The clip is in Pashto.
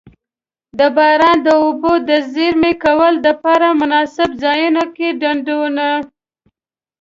د باران د اوبو د زیرمه کولو دپاره مناسب ځایونو کی ډنډونه.